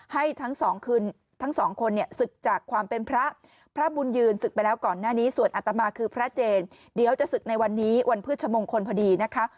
ให้ทั้งสองคืนทั้งสองคนเนี่ยศึกจากความเป็นพระพระบุญยืนศึกไปแล้วก่อนหน้านี้ส่วนอัตมาคือพระเจนเดี๋ยวจะศึกในวันนี้วันพฤชมงคลพอดีนะคะ